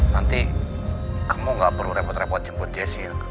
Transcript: nanti kamu gak perlu repot repot jemput jessi